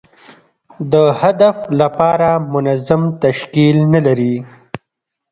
د هدف لپاره منظم تشکیل نه لري.